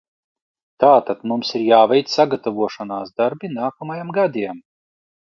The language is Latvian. Tātad mums ir jāveic sagatavošanās darbi nākamajiem gadiem.